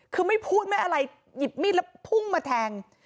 คือไม่พูดไม่อะไรหยิบมีดแล้วพุ่งมาแทง